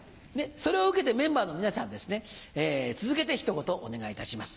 それを受けてメンバーの皆さんはですね続けて一言お願いいたします。